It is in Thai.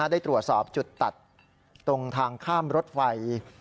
ได้ตรวจสอบจุดตัดตรงทางข้ามรถไฟ